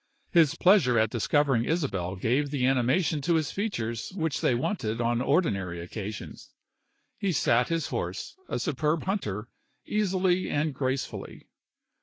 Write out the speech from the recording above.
His pleasure at discovering Isabel gave the animation to his features which they wanted on ordinary occasions. He sat his horse, a superb hunter, easily and gracefully.